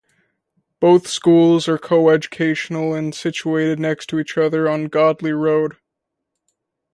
Both schools are coeducational, and situated next to each other on Godley Road.